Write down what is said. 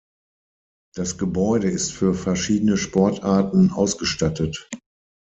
Das Gebäude ist für verschiedene Sportarten ausgestattet.